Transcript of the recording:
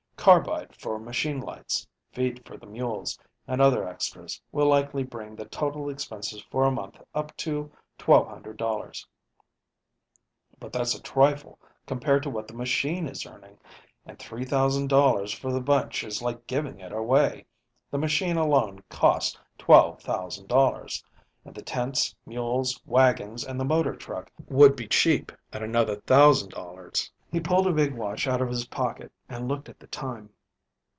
Carbide for machine lights, feed for the mules, and other extras will likely bring the total expenses for a month up to $1,200, but that's a trifle compared to what the machine is earning, and $3,000 for the bunch is like giving it away. The machine alone cost $12,000, and the tents, mules, wagons, and the motor truck would be cheap at another thousand dollars." He pulled a big watch out of his pocket and looked at the time.